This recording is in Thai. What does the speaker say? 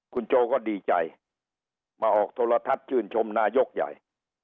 คุณโจก็ดีใจมาออกโทรทัศน์ชื่นชมนายกใหญ่